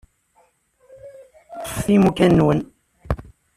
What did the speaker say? Ṭṭfet imukan-nwen.